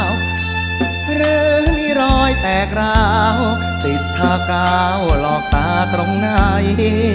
หรือมีรอยแตกร้าวติดคากาวหลอกตาตรงไหน